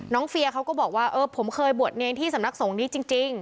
เฟียเขาก็บอกว่าเออผมเคยบวชเนรที่สำนักสงฆ์นี้จริง